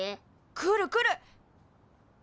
来る来る！